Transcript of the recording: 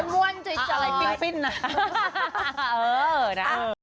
ม้วนใจอะไรปิ้งน่ะ